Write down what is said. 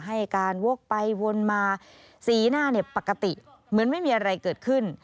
ให้การวกไปวนมาสีหน้าปกติเหมือนไม่มีอะไรเกิดขึ้น